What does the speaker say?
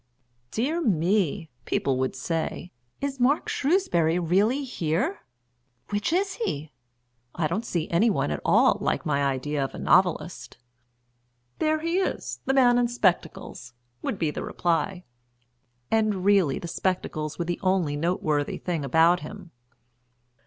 "Dear me!" people would say, "Is Mark Shrewsbury really here? Which is he? I don't see any one at all like my idea of a novelist." "There he is that man in spectacles," would be the reply. And really the spectacles were the only noteworthy thing about him.